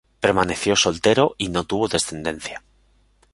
Permaneció soltero, y no tuvo descendencia.